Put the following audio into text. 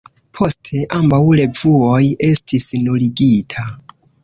Poste, ambaŭ revuoj estis nuligita.